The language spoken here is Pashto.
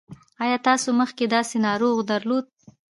ایا تاسو مخکې داسې ناروغ درلود؟